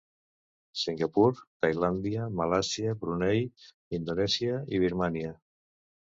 Singapur, Tailàndia, Malàisia, Brunei, Indonèsia i Birmània.